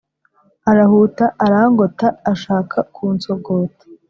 Arahuta arangota ashaka kunsogota